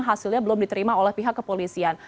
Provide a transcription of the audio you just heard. hasilnya belum diterima oleh pihak kepolisian